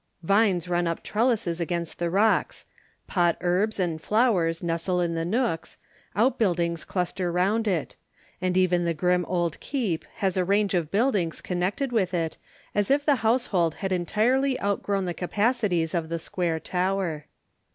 Vines run up trellises against the rocks; pot herbs and flowers nestle in the nooks; outbuildings cluster round it; and even the grim old keep has a range of buildings connected with it, as if the household had entirely outgrown the capacities of the square tower.